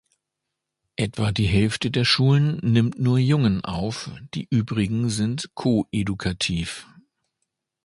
Etwa die Hälfte der Schulen nimmt nur Jungen auf, die übrigen sind koedukativ.